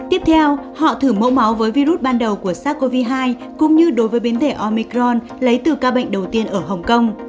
tiếp theo họ thử mẫu máu với virus ban đầu của sars cov hai cũng như đối với biến thể omicron lấy từ ca bệnh đầu tiên ở hồng kông